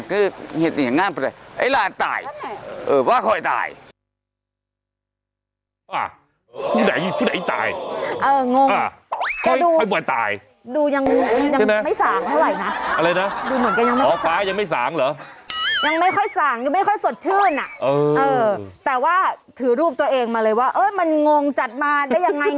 หรือจะเป็นกระชายนี่ส่งกันมาบอกบางคนทานคุกวันเลยบัวลอยน้ำขิง